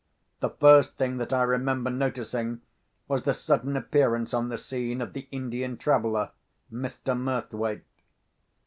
The first thing that I remember noticing was the sudden appearance on the scene of the Indian traveller, Mr. Murthwaite.